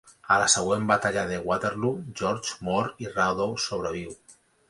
A la següent batalla de Waterloo, George mor i Rawdon sobreviu.